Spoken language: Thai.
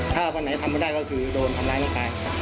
ถ้าวันไหนทำไม่ได้คือโดนทำร้ายขึ้งไป